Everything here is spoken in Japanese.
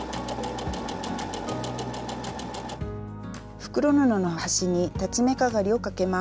袋布の端に裁ち目かがりをかけます。